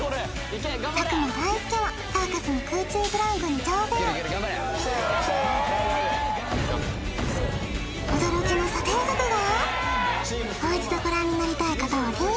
佐久間大介はサーカスの空中ブランコに挑戦驚きの査定額が！